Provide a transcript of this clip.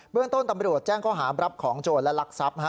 เบื้องต้นตำรวจแจ้งข้อหารับของโจทย์และลักษัพธ์ฮะ